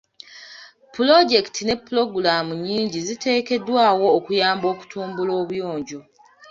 Pulojekiti ne pulogulaamu nnyingi ziteekeddwawo okuyamba okutumbula obuyonjo.